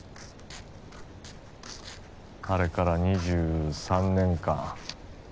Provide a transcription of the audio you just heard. あれから２３年か。